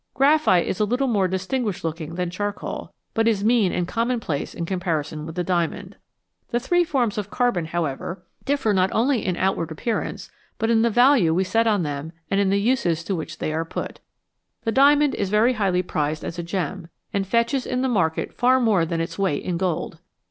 Graphite is a little more distinguished looking than char coal, but is mean and commonplace in comparison with the diamond. The three forms of carbon, however, differ not 53 ELEMENTS WITH DOUBLE IDENTITY only in outward appearance, but in the value we set on them and in the uses to which they are put. The diamond is very highly prized as a gem, and fetches in the market far more than its weight in gold.